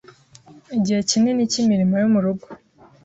igice kinini cy’imirimo yo mu rugo.